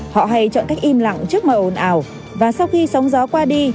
họ hay chọn cách im lặng trước mọi ồn ào và sau khi sóng gió qua đi